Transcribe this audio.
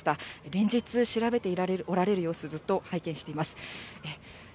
連日、調べておられる様子、ずっと拝見しています。